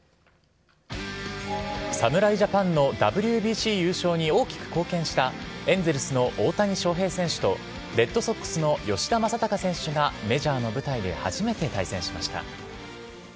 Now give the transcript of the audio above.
侍ジャパンのＷＢＣ優勝に大きく貢献したエンゼルスの大谷翔平選手とレッドソックスの吉田正尚選手がメジャーの舞台で初めて対戦しました。